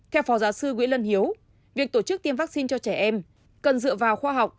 theo phó giáo sư nguyễn lân hiếu việc tổ chức tiêm vaccine cho trẻ em cần dựa vào khoa học